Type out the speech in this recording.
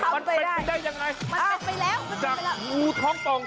มันเป็นไปได้ยังไงจากงูท้องป่อง